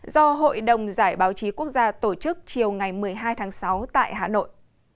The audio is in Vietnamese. do hội đồng giải báo chí quốc gia tổ chức chiều ngày một mươi hai tháng sáu tại hà nội